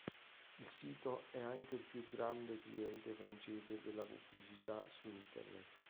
Il sito è anche il più grande cliente francese della pubblicità su internet.